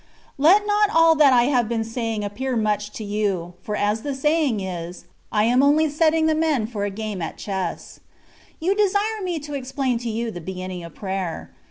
Let not all that I have been saying appear much to you, for as the saying is, ^' I am only setting the men for a game at chess.^^* You desired me to explain to you the beginning of prayer.